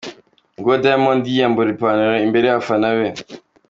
Nguwo Diamond yiyambura ipantaro imbere y'abafana be.